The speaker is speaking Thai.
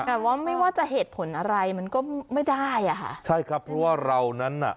แต่ว่าไม่ว่าจะเหตุผลอะไรมันก็ไม่ได้อ่ะค่ะใช่ครับเพราะว่าเรานั้นน่ะ